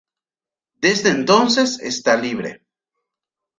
Desde entonces está libre.